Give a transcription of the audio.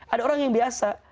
ada orang yang biasa